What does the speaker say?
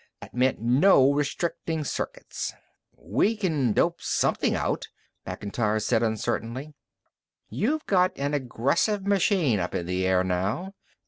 That meant no restricting circuits." "We can dope something out," Macintyre said uncertainly. "You've got an aggressive machine up in the air now.